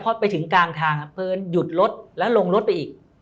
พอไปถึงกลางทางเพลินหยุดรถแล้วลงรถไปอีก